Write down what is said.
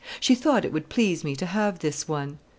She thought it would please me to have this one."